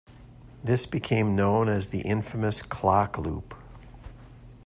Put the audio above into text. This became known as the infamous "clockloop".